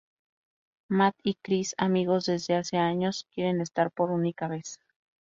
Matt y Kris, amigos desde hace años, quieren estar por única vez.